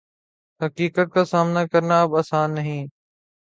حقیقت کا سامنا کرنا اب آسان نہیں